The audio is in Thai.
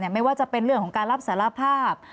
ไม่ว่าจะเป็นเรื่องของการรับสารภาพ